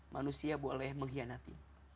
manusia boleh mengkhianatimu